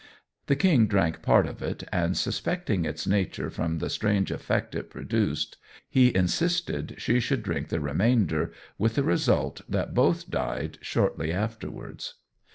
The king drank part of it, and suspecting its nature from the strange effect it produced, he insisted she should drink the remainder, with the result that both died shortly afterwards.